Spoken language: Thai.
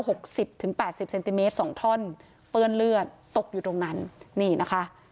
หกสิบถึงแปดสิบเซนติเมตรสองท่อนเปื้อนเลือดตกอยู่ตรงนั้นนี่นะคะ